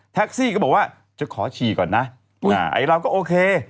แท็กซี่ก็บอกว่าจะขอชี่ก่อนนะอุ๊ยไอ้เราก็โอเค